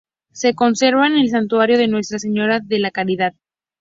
Se conserva en la santuario de Nuestra Señora de la Caridad.